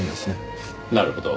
なるほど。